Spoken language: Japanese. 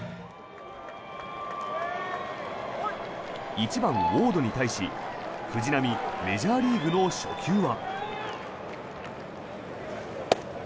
１番、ウォードに対し藤浪、メジャーリーグの初球は。